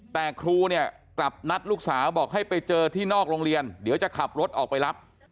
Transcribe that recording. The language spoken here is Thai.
แต่ครูเนี่ยกลับนัดลูกสาวบอกให้ไปเจอที่นอกโรงเรียนเดี๋ยวจะขับรถออกไปรับ